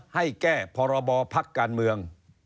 ให้แก้พรบพักการเมือง